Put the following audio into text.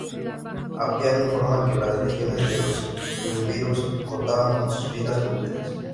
Apiano informa que las legiones de los triunviros contaban con sus filas completas.